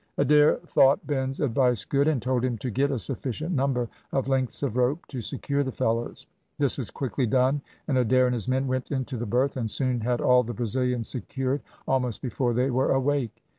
Adair thought Ben's advice good, and told him to get a sufficient number of lengths of rope to secure the fellows. This was quickly done, and Adair and his men went into the berth, and soon had all the Brazilians secured, almost before they were awake.